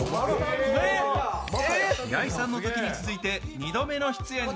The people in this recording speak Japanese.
平井さんのときに続いて２度目の出演。